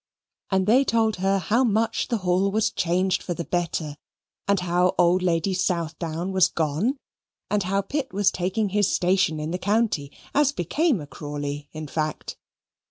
And they told her how much the Hall was changed for the better, and how old Lady Southdown was gone, and how Pitt was taking his station in the county, as became a Crawley in fact.